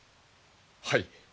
はい。